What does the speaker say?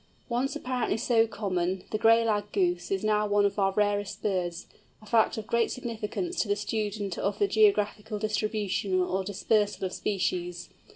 Once apparently so common, the Gray Lag Goose is now one of our rarest birds, a fact of great significance to the student of the geographical distribution or dispersal of species.